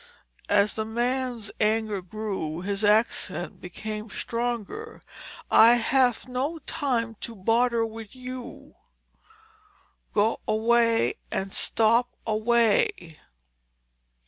As the man's anger grew, his accent became stronger. "I haf no time to bodder wid you. Go away—and stop away!"